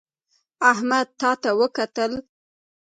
احمد تا ته وکتل